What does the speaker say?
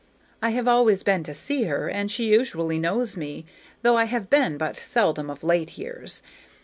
I have always been to see her, and she usually knows me, though I have been but seldom of late years.